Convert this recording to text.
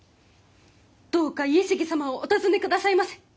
どうか家重様をお訪ね下さいませ！